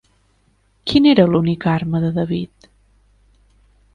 Quina era l'única arma de David?